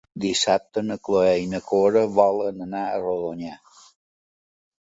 Dissabte na Cloè i na Cora volen anar a Rodonyà.